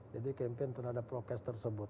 jadi kempen terhadap prokes tersebut